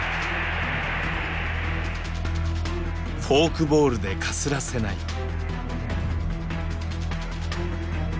フォークボールでかすらせない。